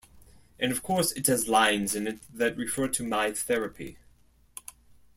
And of course it has lines in it that referred to my therapy.